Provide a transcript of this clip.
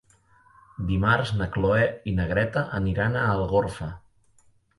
Dimarts na Cloè i na Greta aniran a Algorfa.